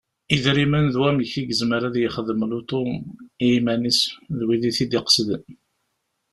Idrimen d wamek i yezmer ad yexdem lutu i yiman-is d wid i t-id-iqesden.